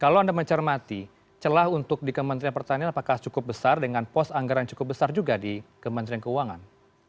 kalau anda mencermati celah untuk di kementerian pertanian apakah cukup besar dengan pos anggaran cukup besar juga di kementerian keuangan